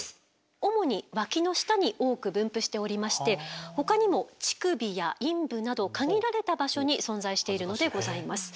主にワキの下に多く分布しておりましてほかにも乳首や陰部など限られた場所に存在しているのでございます。